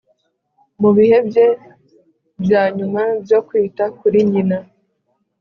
mu bihe bye bya nyuma byo kwita kuri nyina